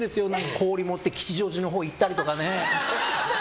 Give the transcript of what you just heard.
氷を持って吉祥寺のほうに行ったりとか。